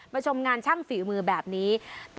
ชมงานช่างฝีมือแบบนี้